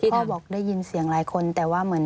บอกได้ยินเสียงหลายคนแต่ว่าเหมือน